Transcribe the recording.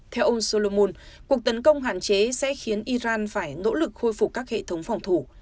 theo ông solommon cuộc tấn công hạn chế sẽ khiến iran phải nỗ lực khôi phục các hệ thống phòng thủ